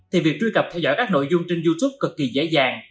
thì việc truy cập theo dõi các nội dung trên youtube cực kỳ dễ dàng